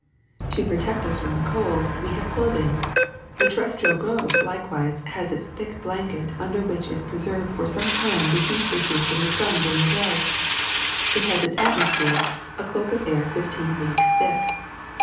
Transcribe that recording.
^^To protect us from the cold we have clothing. The terrestrial globe likewise has its thick blanket under which is preserved for some time the heat re ceived from the sun during the day ; it has its atmos phere, a cloak of air fifteen leagues thick.